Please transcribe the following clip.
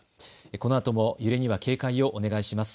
このあとも揺れには警戒をお願いします。